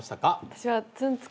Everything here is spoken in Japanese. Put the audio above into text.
私は。